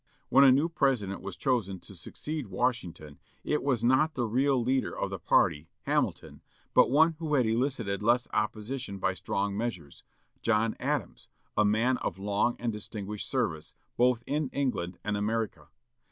When a new President was chosen to succeed Washington, it was not the real leader of the party, Hamilton, but one who had elicited less opposition by strong measures John Adams, a man of long and distinguished service, both in England and America.